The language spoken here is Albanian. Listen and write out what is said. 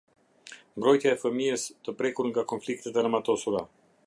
Mbrojtja e fëmijës të prekur nga konfliktet e armatosura.